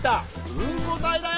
うんこ隊だよ！